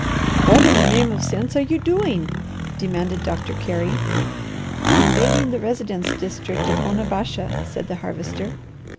"What in the name of sense are you doing?" demanded Doctor Carey. "Invading the residence district of Onabasha," said the Harvester.